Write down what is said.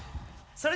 それ！